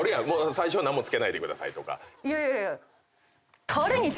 「最初は何も付けないでください」とか。